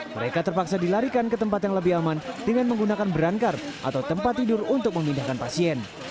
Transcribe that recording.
mereka terpaksa dilarikan ke tempat yang lebih aman dengan menggunakan berankar atau tempat tidur untuk memindahkan pasien